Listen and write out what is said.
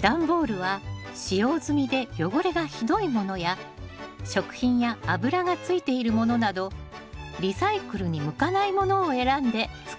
段ボールは使用済みで汚れがひどいものや食品や油がついているものなどリサイクルに向かないものを選んで使いましょう。